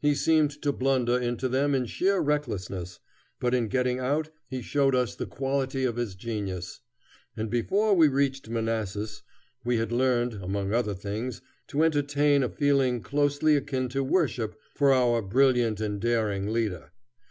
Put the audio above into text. He seemed to blunder into them in sheer recklessness, but in getting out he showed us the quality of his genius; and before we reached Manassas, we had learned, among other things, to entertain a feeling closely akin to worship for our brilliant and daring leader.